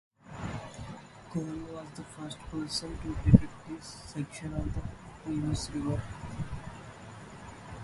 Cole was the first person to depict this section of the Genesee River.